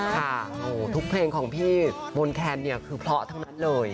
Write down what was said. ค่ะทุกเพลงของพี่มนต์แคนเนี่ยคือเพราะทั้งนั้นเลย